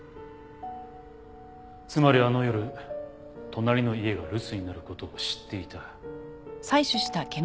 つまりあの夜隣の家が留守になる事を知っていた。